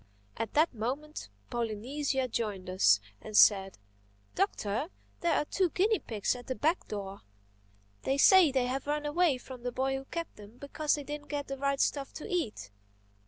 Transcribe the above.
At that moment Polynesia joined us and said, "Doctor, there are two guinea pigs at the back door. They say they have run away from the boy who kept them because they didn't get the right stuff to eat.